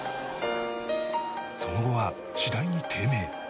その後は次第に低迷。